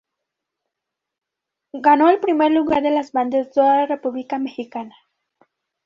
Ganó el primer lugar de bandas de toda la república mexicana.